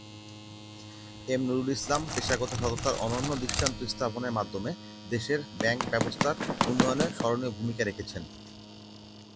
M Nurul Islam পেশাগত সততার অনন্য দৃষ্টান্ত স্থাপনের মাধ্যমে দেশের ব্যাংক ব্যবস্থার উন্নয়নে স্মরণীয় ভূমিকা রেখেছেন।